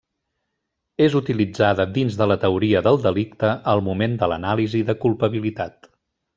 És utilitzada dins de la teoria del delicte al moment de l'anàlisi de culpabilitat.